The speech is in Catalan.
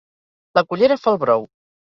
La cullera fa el brou.